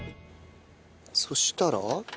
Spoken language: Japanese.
そしたら。